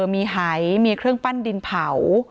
มีหายมีเครื่องปั้นดินเผา